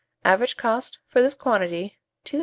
Average cost, for this quantity, 2s.